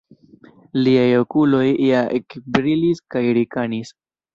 Liaj okuloj ja ekbrilis kaj rikanis.